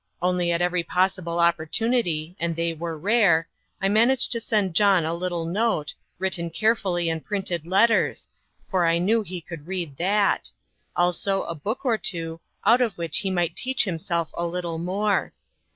Only at every possible opportunity and they were rare I managed to send John a little note, written carefully in printed letters, for I knew he could read that; also a book or two, out of which he might teach himself a little more.